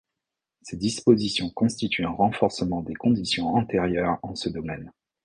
Ces dispositions constituent un renforcement des conditions antérieures en ce domaine.